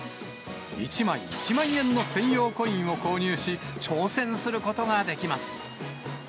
１枚１万円の専用コインを購入し、挑戦することができます。